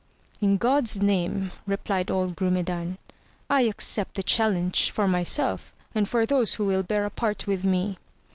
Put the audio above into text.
In God's name, replied old Grumedan, I accept the challenge for myself and for those who will bear a part with me